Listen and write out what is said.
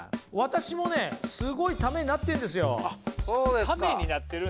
私もね、すごいためになってるんですよ。